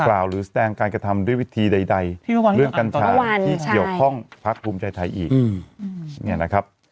ฟราวด์หรือแสนการกระทำด้วยวิธีใดเรื่องกันเธอที่หยกห้องภักด์ภูมิใจไทยอีก